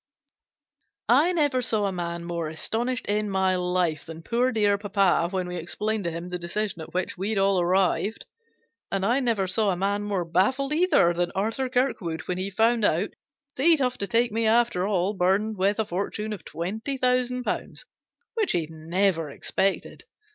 I never saw a man more astonished in my life than poor dear papa when we explained to him the decision at which we'd all arrived. And I never saw a man more baffled either than Arthur Kirkwood when he found out that he'd have to take me after all, burdened with a fortune of twenty thousand pounds, which he'd never expected.